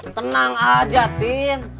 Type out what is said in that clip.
tenang aja tin